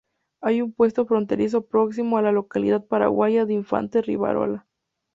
Hay un puesto fronterizo próximo a la localidad paraguaya de Infante Rivarola.